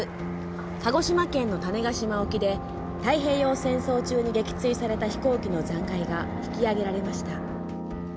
鹿児島県の種子島沖で太平洋戦争中に撃墜された飛行機の残骸が引き揚げられました。